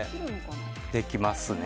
できますね。